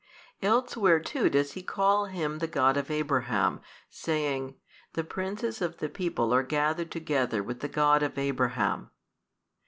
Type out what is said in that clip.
Elsewhere too does he call Him the God of Abraham, saying, The princes of the people are gathered together with the God of Abraham.